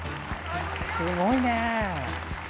すごいね！